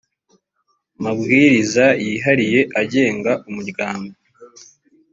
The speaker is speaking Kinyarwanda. mabwiriza yihariye agenga umuryango